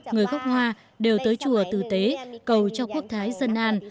người gốc hoa đều tới chùa tử tế cầu cho quốc thái dân an